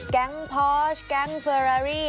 แก๊งพอร์ชแก๊งเฟอรารี่